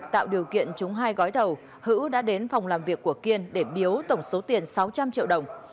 tổng số tiền sáu trăm linh triệu đồng